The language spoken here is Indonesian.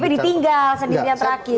kan pdip ditinggal sedikit yang terakhir